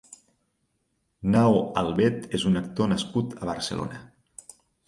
Nao Albet és un actor nascut a Barcelona.